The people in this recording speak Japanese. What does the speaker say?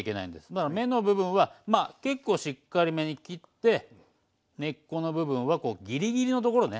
だから芽の部分は結構しっかりめに切って根っこの部分はギリギリのところね。